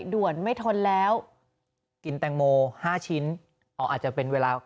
ด่วนไม่ทนแล้วกินแตงโม๕ชิ้นอ๋ออาจจะเป็นเวลา